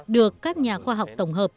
được các nhà khoa học tổng hợp